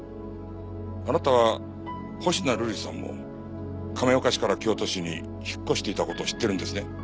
あなた星名瑠璃さんも亀岡市から京都市に引っ越していた事を知っているんですね？